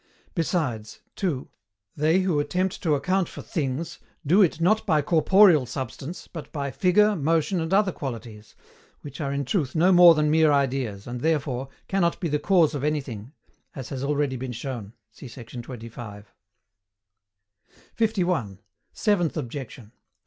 Besides, (2) they who attempt to account for things do it not by CORPOREAL SUBSTANCE, but by figure, motion, and other qualities, which are in truth no more than mere ideas, and, therefore, cannot be the cause of anything, as has been already shown. See sect. 25. 51. SEVENTH OBJECTION.